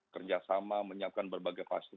kerjasama menyiapkan berbagai pasif